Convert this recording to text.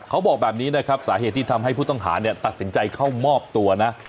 เขาบอกแบบนี้นะครับสาเหตุที่ทำให้ผู้ต้องหาเนี่ยตัดสินใจเข้ามอบตัวนะ